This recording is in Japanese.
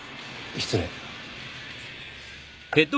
失礼。